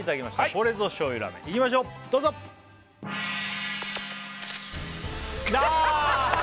これぞ醤油ラーメンいきましょうどうぞあーっ！